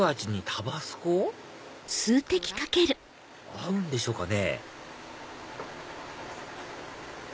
合うんでしょうかね？